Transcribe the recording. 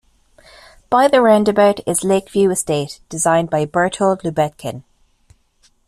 By the roundabout is Lakeview Estate, designed by Berthold Lubetkin.